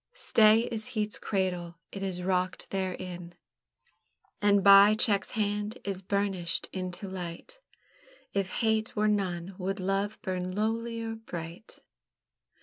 Stay is heat's cradle, it is rocked therein, And by check's hand is burnished into light; If hate were none, would love burn lowlier bright?